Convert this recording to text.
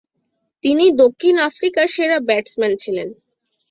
তিনি দক্ষিণ আফ্রিকার সেরা ব্যাটসম্যান ছিলেন।